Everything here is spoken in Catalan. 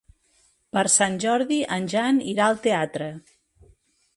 Per Sant Jordi en Jan irà al teatre.